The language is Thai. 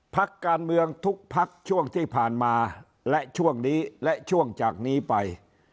พักการเมืองทุกพักช่วงที่ผ่านมาและช่วงนี้และช่วงจากนี้ไป